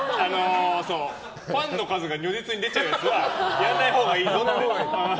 ファンの数が如実に出ちゃうやつはやらないほうがいいよって。